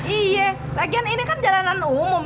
iya lagian ini kan jalanan umum